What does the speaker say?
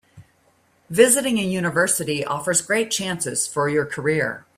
Visiting a university offers great chances for your career.